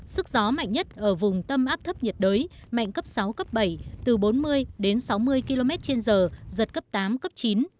sức gió mạnh nhất ở vùng tâm áp thấp nhiệt đới mạnh cấp sáu cấp bảy từ bốn mươi đến sáu mươi km trên giờ giật cấp tám cấp chín